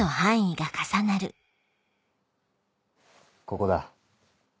ここだ。